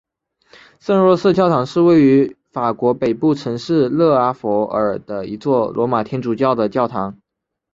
圣若瑟教堂是位于法国北部城市勒阿弗尔的一座罗马天主教的教堂。